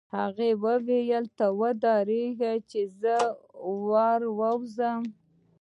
هغه وویل: ته ودرېږه چې زه ور ووځم.